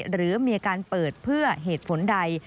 หรือมีอาการเปิดเพื่อเหตุผลใด